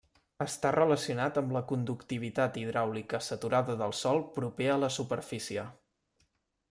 Està relacionat amb la conductivitat hidràulica saturada del sòl proper a la superfície.